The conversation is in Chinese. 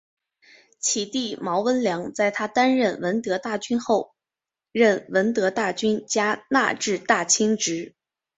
其弟毛温良在她担任闻得大君后任闻得大君加那志大亲职。